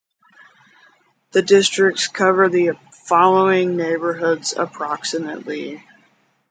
The districts cover the following neighborhoods, approximately.